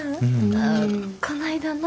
ああこないだな。